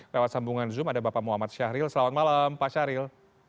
lewat sambungan zoom ada bapak muhammad syahril selamat malam pak syahril